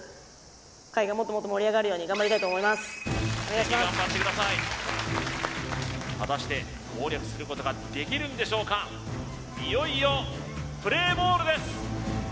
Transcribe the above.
ぜひ頑張ってください果たして攻略することができるんでしょうかいよいよプレーボールです